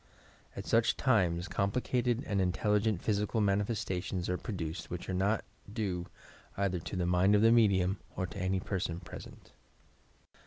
At sueh times complicated and intelligent physical mani festations are produced which are not due either to the mind of the medium or to any person present.